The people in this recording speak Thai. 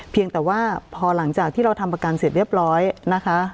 เพียงแต่ว่าพอหลังจากที่เราทำประกันเสร็จเรียบร้อยนะคะ